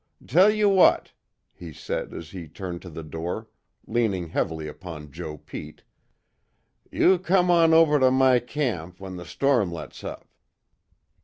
Tell you what," he said, as he turned to the door, leaning heavily upon Joe Pete, "You come on over to my camp, when the storm lets up.